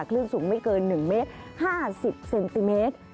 คลื่นสูงไม่เกิน๑เมตร๕๐เซนติเมตร